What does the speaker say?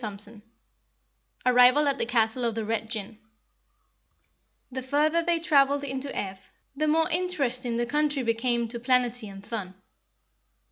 CHAPTER 12 Arrival at the Castle of the Red Jinn The further they traveled into Ev, the more interesting the country became to Planetty and Thun.